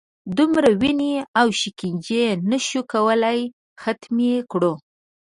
دا دومره وینې او شکنجې نه شو کولای ختمې کړو.